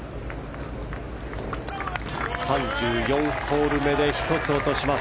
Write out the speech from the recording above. ３４ホール目で１つ落とします。